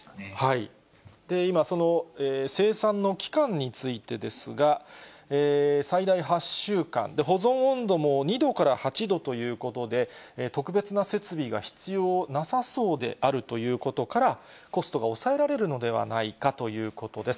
今、その生産の期間についてですが、最大８週間、保存温度も２度から８度ということで、特別な設備が必要なさそうであるということから、コストが抑えられるのではないかということです。